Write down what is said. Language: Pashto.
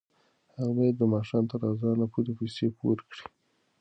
هغه باید د ماښام تر اذانه پورې پیسې پوره کړي.